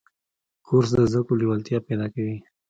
کورس د زده کړو لیوالتیا پیدا کوي.